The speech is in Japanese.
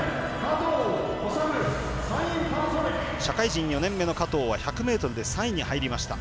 社会人４年目の加藤は１００ｍで３位に入りました。